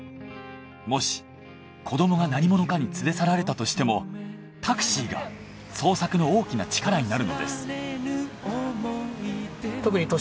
もし子どもが何者かに連れ去られたとしてもタクシーが捜索の大きな力になるのです。